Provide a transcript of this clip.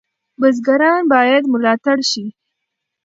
بزګران باید ملاتړ شي.